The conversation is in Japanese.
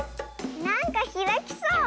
なんかひらきそう。